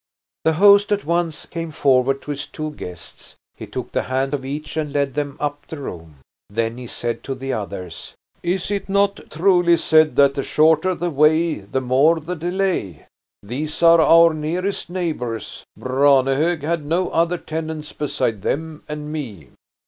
The host at once came forward to his two guests. He took the hand of each and led them up the room. Then he said to the others: "Is it not truly said that the shorter the way the more the delay? These are our nearest neighbors. Branehog had no other tenants besides them and me."